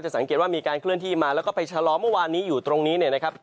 สังเกตว่ามีการเคลื่อนที่มาแล้วก็ไปชะลอเมื่อวานนี้อยู่ตรงนี้เนี่ยนะครับ